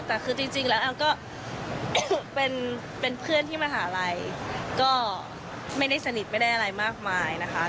แต่คือจริงแล้วแอมก็เป็นเพื่อนที่มหาลัยก็ไม่ได้สนิทไม่ได้อะไรมากมายนะคะ